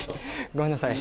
ごめんなさい。